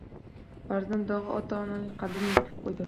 Farzand dog`i ota onaning qaddini bukib qo`ydi